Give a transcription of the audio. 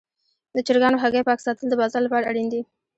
د چرګانو هګۍ پاک ساتل د بازار لپاره اړین دي.